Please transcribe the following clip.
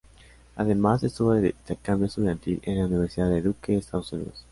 Además, estuvo de intercambio estudiantil en la Universidad de Duke, Estados Unidos.